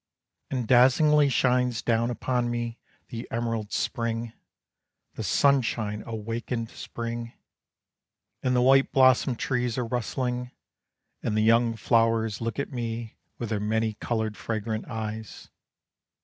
And dazzlingly shines down upon me The emerald spring, the sunshine awakened spring, And the white blossomed trees are rustling; And the young flowers look at me, With their many colored, fragrant eyes.